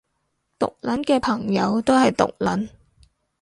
毒撚嘅朋友都係毒撚